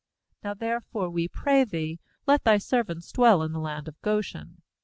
Now therefore, we pray thee, let thy servants dwell in the land of Goshen.'